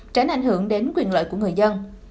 tránh ảnh hưởng đến quyền lợi của người dân